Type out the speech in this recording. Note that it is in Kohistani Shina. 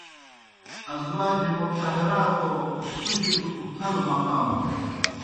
ازواج مطہراتو سُجوْ، گہ اُتھلوْ مقامُن۔